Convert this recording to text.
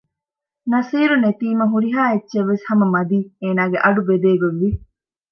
ނަޞީރު ނެތީމާ ހުރިހާ އެއްޗެއްވެސް ހަމަ މަދީ އޭނާގެ އަޑު ބެދޭގޮތް ވި